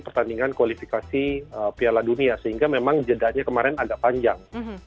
pertandingan kualifikasi piala dunia sehingga memang jedanya kemarin agak panjang